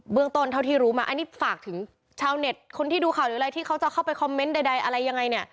ต้นเท่าที่รู้มาอันนี้ฝากถึงชาวเน็ตคนที่ดูข่าวหรืออะไรที่เขาจะเข้าไปคอมเมนต์ใดอะไรยังไงเนี่ย